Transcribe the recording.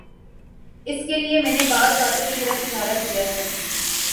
اس کے لیے میں نے بعض باتوں کی طرف اشارہ کیا ہے۔